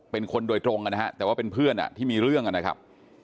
เป็นคนโดยตรงนะฮะแต่ว่าเป็นเพื่อนที่มีเรื่องนะครับ